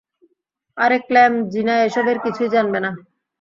আরে Clem, Gina এসবের কিছুই জানবে না।